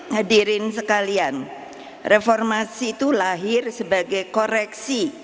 hadirin sekalian reformasi itu lahir sebagai koreksi